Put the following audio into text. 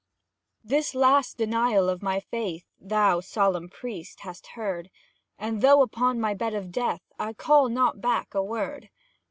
This last denial of my faith, Thou, solemn Priest, hast heard; And, though upon my bed of death, I call not back a word.